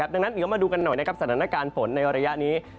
ดังนั้นเดี๋ยวมาดูกันหน่อยนะครับสถานการณ์ฝนในระยะนี้